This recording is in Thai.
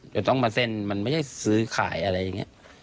จะต้องมาเส้นมันไม่ใช่ซื้อขายอะไรอย่างนี้